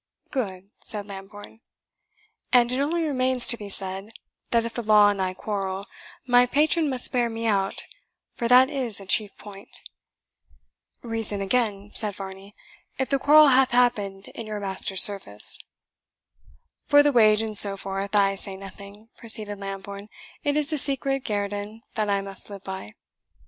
"Good," said Lambourne; "and it only remains to be said, that if the law and I quarrel, my patron must bear me out, for that is a chief point." "Reason again," said Varney, "if the quarrel hath happened in your master's service." "For the wage and so forth, I say nothing," proceeded Lambourne; "it is the secret guerdon that I must live by."